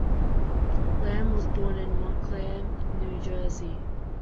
Lamb was born in Montclair, New Jersey.